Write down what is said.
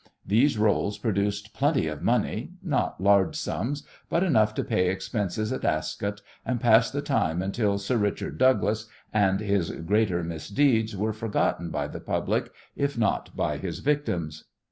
These rôles produced plenty of money, not large sums, but enough to pay expenses at Ascot and pass the time until "Sir Richard Douglas" and his greater misdeeds were forgotten by the public if not by his victims.